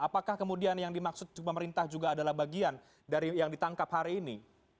apakah kemudian yang dimaksud pemerintah juga adalah bagian dari yang ditangkap hari ini